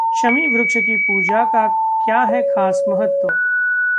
शमी वृक्ष की पूजा का क्या है खास महत्व?